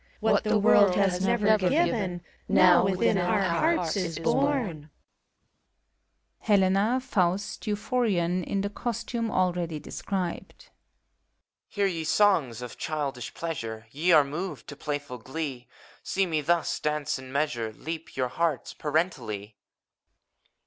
What the world has never given Now within our hearts is bom. ( Helena. Faust. Euphoriok in the costume edready described*) BUPRORION. Hear ye songs of childish pleamne^ Ye are moved to playful glee; ACT III, 176 Seeing me thus danee in measuiey Leap yonr hearts parentally.